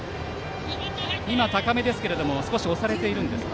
今、高めですが少し押されていますか。